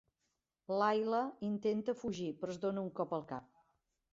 Lyle intenta fugir però es dona un cop al cap.